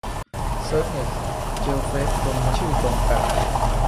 เสิร์ชเน็ต เจอเฟซคนชื่อตรงกัน